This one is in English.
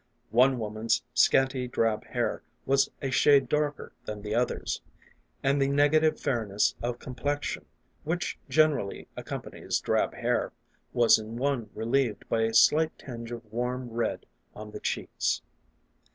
One woman's scanty drab hair was a shade darker than the other's, and the negative fairness of complexion, which generally accompanies drab hair, was in one relieved by a slight tinge of warm red on the cheeks.